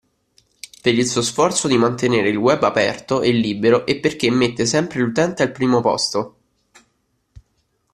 Per il suo sforzo di mantenere il web aperto e libero e perché mette sempre l'utente al primo posto.